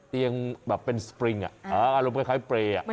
เตียงแบบเป็นสปริงอ่ะอารมณ์คล้ายเปรย์